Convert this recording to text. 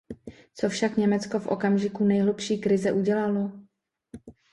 Co však Německo v okamžiku nejhlubší krize udělalo?